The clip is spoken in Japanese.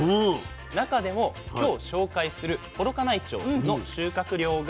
中でも今日紹介する幌加内町の収穫量がこちら。